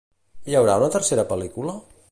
Hi haurà una tercera pel·lícula?